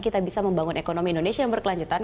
kita bisa membangun ekonomi indonesia yang berkelanjutan